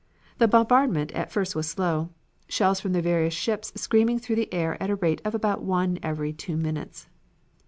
The bombardment at first was slow. Shells from the various ships screaming through the air at the rate of about one every two minutes.